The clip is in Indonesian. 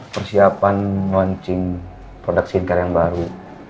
persiapan launching produk singkar yang baru